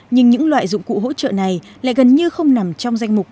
nhưng những loại dụng cụ hỗ trợ này lại gần như không nằm trong danh mục